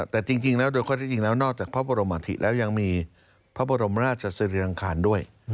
แต่จริงแล้วโดยข้อที่จริงแล้วนอกจากพระบรมอธิแล้วยังมีพระบรมราชสิริรังคารด้วย